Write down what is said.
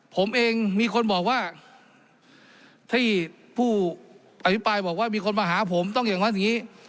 ผมเองมีคนบอกว่าที่ผู้อภิปรายบอกว่ามีคนมาหาผมต้องอย่างนั้นอย่างนี้